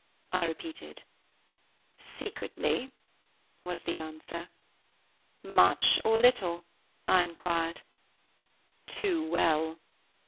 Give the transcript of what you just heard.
I repeated. "Secretly," was the answer. "Much or little?" I inquired. "Too well."